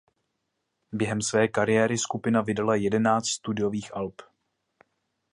Během své kariéry skupina vydala jedenáct studiových alb.